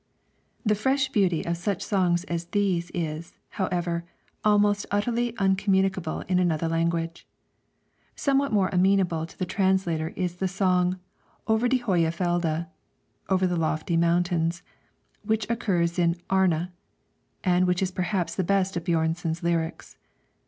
The fresh beauty of such songs as these is, however, almost utterly uncommunicable in another language. Somewhat more amenable to the translator is the song 'Over de Höje Fjelde' (Over the Lofty Mountains), which occurs in 'Arne,' and which is perhaps the best of Björnson's lyrics.